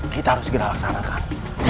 kita harus segera laksanakan